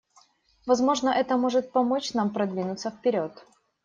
Возможно, это может помочь нам продвинуться вперед.